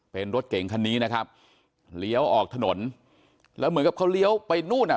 เป็นรถเก่งคันนี้นะครับเลี้ยวออกถนนแล้วเหมือนกับเขาเลี้ยวไปนู่นอ่ะ